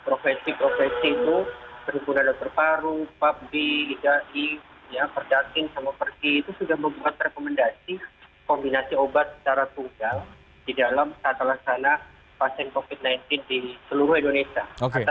profesi profesi itu perhukunan dokter paru publi idai perdatin sama pergi itu sudah membuat rekomendasi kombinasi obat secara tunggal di dalam tata laksana pasien covid sembilan belas di seluruh indonesia